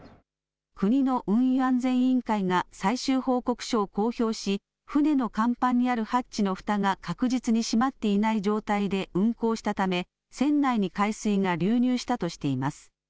国の運輸安全委員会が最終報告書を公表し、船の甲板にあるハッチのふたが確実に閉まっていない状態で運航したため船内に海水が流入したとしています。